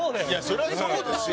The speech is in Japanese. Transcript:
そりゃそうですよ！